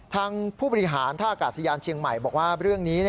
ทางผู้บริหารท่าอากาศยานเชียงใหม่บอกว่าเรื่องนี้